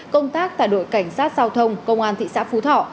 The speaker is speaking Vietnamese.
công tác tại đội cảnh sát giao thông công an thị xã phú thọ